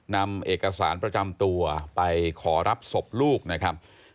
นำเอกสารประจำตัวไปขอรับศพลูกนะครับ